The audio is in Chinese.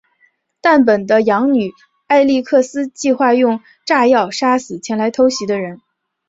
但本的养女艾莉克斯计划用炸药杀死前来偷袭的人。